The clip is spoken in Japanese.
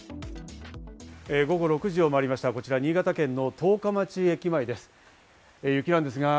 午後６時を回りました、こちら新潟県の十日町駅前です。